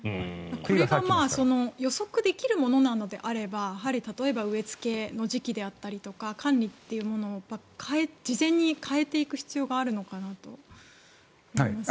これが予測できるものなら植えつけの時期であったりとか管理というものを事前に変えていく必要があるのかなと思います。